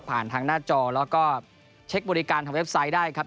ผ่านทางหน้าจอแล้วก็เช็คบริการทางเว็บไซต์ได้ครับ